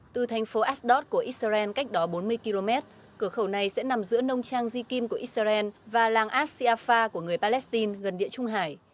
từ thành phố asdod của israel cách đó bốn mươi km cửa khẩu này sẽ nằm giữa nông trang di kim của israel và làng as siafa của người palestine gần địa trung hải